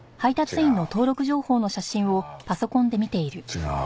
違う。